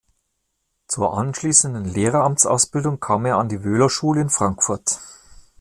Zur anschließenden Lehramtsausbildung kam er an die Wöhlerschule in Frankfurt.